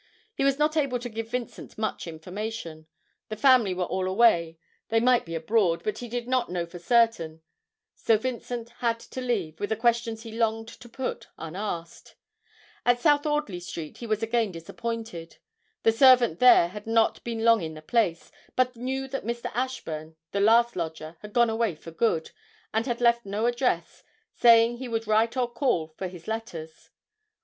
He was not able to give Vincent much information. The family were all away; they might be abroad, but he did not know for certain; so Vincent had to leave, with the questions he longed to put unasked. At South Audley Street he was again disappointed. The servant there had not been long in the place, but knew that Mr. Ashburn, the last lodger, had gone away for good, and had left no address, saying he would write or call for his letters.